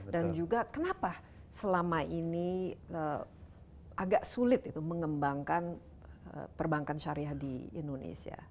dan juga kenapa selama ini agak sulit itu mengembangkan perbankan syariah di indonesia